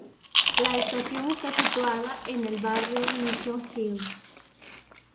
La estación está situada en el barrio Mission Hill.